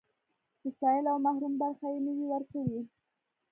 د سايل او محروم برخه يې نه وي ورکړې.